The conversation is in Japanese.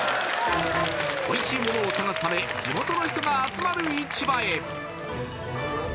おいしいものを探すため地元の人が集まる市場へ！